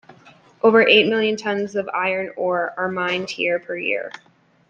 Over eight million tons of iron ore are mined here per year.